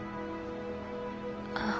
あ。